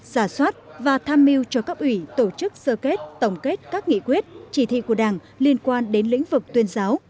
giả soát và tham mưu cho cấp ủy tổ chức sơ kết tổng kết các nghị quyết chỉ thị của đảng liên quan đến lĩnh vực tuyên giáo